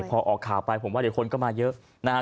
พอออกข่าวไปผมว่าเดี๋ยวคนก็มาเยอะนะครับ